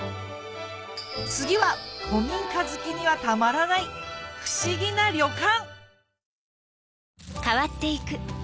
次は古民家好きにはたまらない不思議な旅館！